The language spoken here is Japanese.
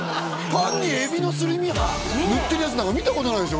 パンにエビのすり身塗ってるやつなんか見たことないですよ